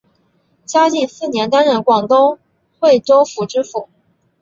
嘉靖四年担任广东惠州府知府。